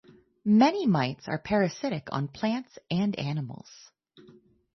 Many mites are parasitic on plants and animals.